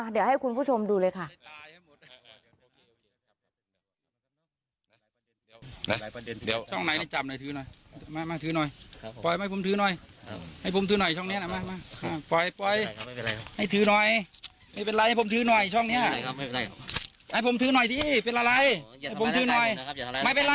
เดี๋ยวให้คุณผู้ชมดูเลยค่ะ